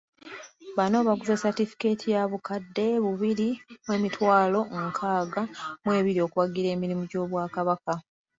Bano baguze Satifikeeti ya bukadde bubiri mu emitwalo nkaaga mu ebiri okuwagira emirimu gy'Obwakabaka.